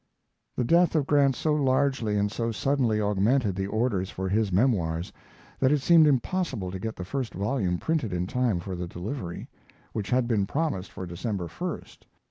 The death of Grant so largely and so suddenly augmented the orders for his Memoirs that it seemed impossible to get the first volume printed in time for the delivery, which had been promised for December 1st.